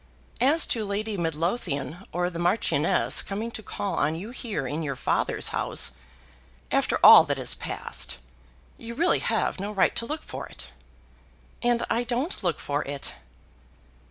As to Lady Midlothian or the marchioness coming to call on you here in your father's house, after all that has passed, you really have no right to look for it." "And I don't look for it."